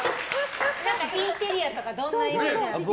インテリアとかどんなイメージなんですか。